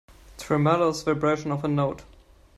Tremulous vibration of a note.